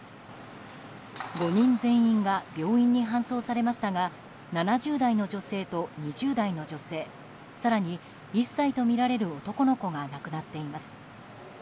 ５人全員が病院に搬送されましたが７０代の女性と２０代の女性更に１歳とみられる男の子が亡くなっています。